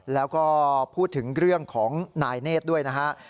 แล้วก็พูดถึงเรื่องของนายเน่ตัดสินใจด้วย